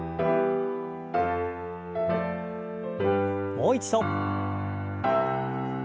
もう一度。